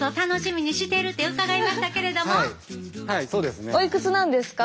はいそうですね。